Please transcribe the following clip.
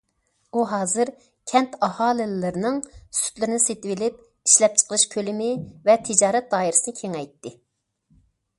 ئۇ ھازىر كەنت ئاھالىلىرىنىڭ سۈتلىرىنى سېتىۋېلىپ، ئىشلەپچىقىرىش كۆلىمى ۋە تىجارەت دائىرىسىنى كېڭەيتتى.